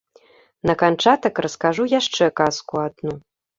На канчатак раскажу яшчэ казку адну.